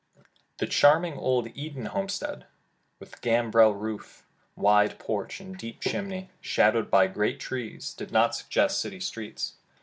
The charming old Eden homestead, with gambrel roof, wide porch, and deep chimney, shadowed by great trees, did not suggest city streets.